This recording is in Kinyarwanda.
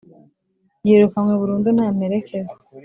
yirukanywe burundu nta mperekeza,